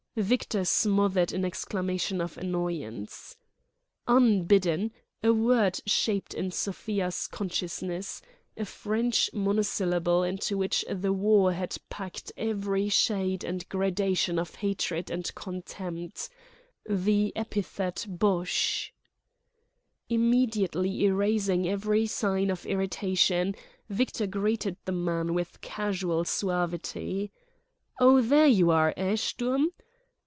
Victor smothered an exclamation of annoyance. Unbidden, a word shaped in Sofia's consciousness, a French monosyllable into which the war had packed every shade and gradation of hatred and contempt, the epithet Boche. Immediately erasing every sign of irritation, Victor greeted the man with casual suavity. "Oh, there you are, eh, Sturm?"